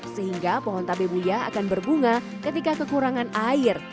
sehingga pohon tabe buya akan berbunga ketika kekurangan air